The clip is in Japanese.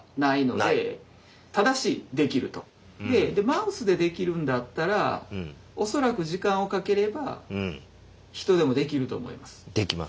でマウスでできるんだったら恐らく時間をかければヒトでもできると思います。